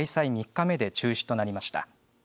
３日目で中止となりました。